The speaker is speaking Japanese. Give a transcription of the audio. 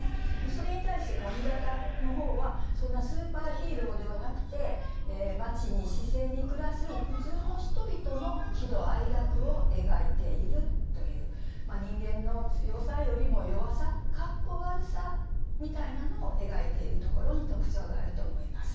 それに対して上方の方はそんなスーパーヒーローではなくて町に市井に暮らす普通の人々の喜怒哀楽を描いているというまあ人間の強さよりも弱さかっこ悪さみたいなのを描いているところに特徴があると思います。